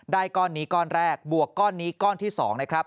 ก้อนนี้ก้อนแรกบวกก้อนนี้ก้อนที่๒นะครับ